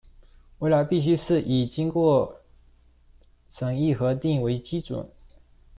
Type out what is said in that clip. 未來必須是以經過審議核定為基準